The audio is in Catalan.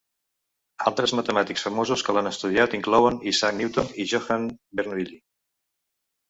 Altres matemàtics famosos que l'han estudiat inclouen Isaac Newton i Johann Bernoulli.